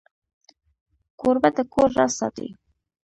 کوربه د کور راز ساتي.